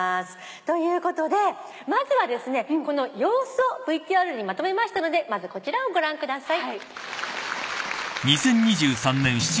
ということでまずはこの様子をＶＴＲにまとめましたのでまずこちらをご覧ください。